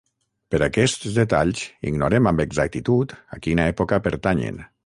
Per aquests detalls ignorem amb exactitud a quina època pertanyen.